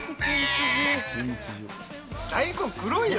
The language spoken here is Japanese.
大根黒いよ。